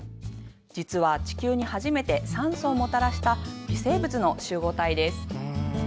実は、地球に初めて酸素をもたらした微生物の集合体です。